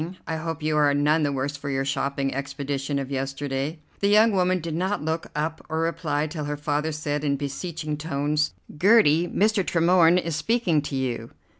I hope you are none the worse for your shopping expedition of yesterday." The young woman did not look up or reply till her father said in beseeching tones: "Gertie, Mr. Tremorne is speaking to you."